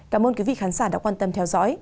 cảm ơn quý vị khán giả đã quan tâm theo dõi